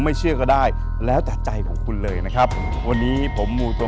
เชื่อก็ได้แล้วแต่ใจของคุณเลยนะครับวันนี้ผมมูตัว